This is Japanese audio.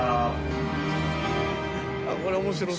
これ面白そう。